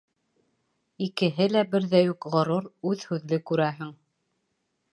Икеһе лә берҙәй үк ғорур, үҙ һүҙле, күрәһең.